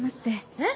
えっ？